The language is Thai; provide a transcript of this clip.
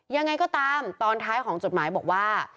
ยังไงก็ตามตอนท้ายของจดหมายบอกว่า